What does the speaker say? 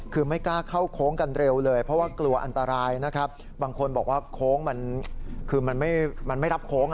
คือไม่กล้าเข้าโค้งกันเร็วเลยเพราะว่ากลัวอันตรายนะครับ